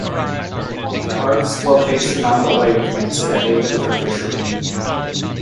The park's location on the lake makes it a haven for fishermen.